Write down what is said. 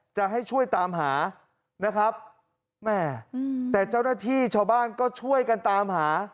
จะให้ช่วยตามหานะครับแม่แต่เจ้าหน้าที่ชาวบ้านก็ช่วยกันตามหา